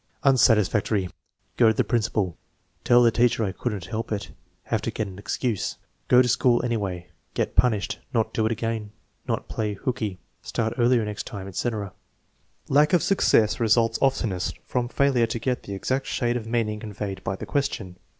Unsatisfactory. "Go to the principal." "Tell the teacher I could n't help it." "Have to get an excuse." "Go to school any way." "Get punished." "Not do it again." "Not play hooky." "Start earlier next time," etc. Lack of success results oftenest from failure to get the exact shade of meaning conveyed by the question.